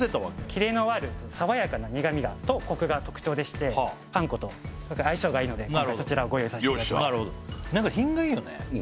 キレのある爽やかな苦みとコクが特徴でしてあんことすごく相性がいいので今回そちらをご用意させていただきましたうん品がいいね